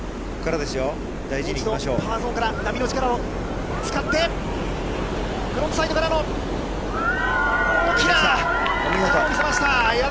もう一度、波の力を使ってフロップサイドからの大きなターンを見せました。